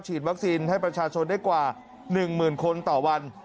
ฉีดวัคซีนให้ประชาชนได้กว่า๑๐๐๐๐ต่อวัน